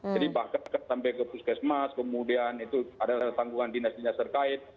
jadi bahkan sampai ke puskesmas kemudian itu ada tanggungan dinas dinas terkait